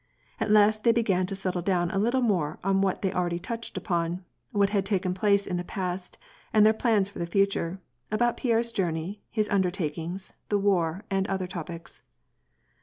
At last they began to settle down a little more on what they already touched upon, what had taken place in the past, and their plans for the future, about Pien^e's journey, his undertakings, the war, and other topics.